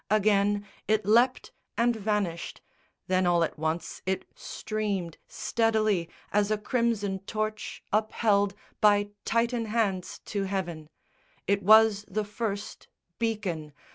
Again It leapt and vanished: then all at once it streamed Steadily as a crimson torch upheld By Titan hands to heaven. It was the first Beacon!